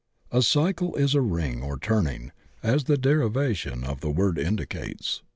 A cycle is a ring or turning, as the derivation of the word indicates.